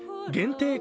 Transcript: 限定